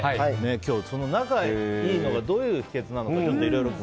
今日は仲がいいのがどういう秘訣なのか